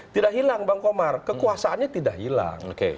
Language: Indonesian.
tidak hilang bang komar kekuasaannya tidak hilang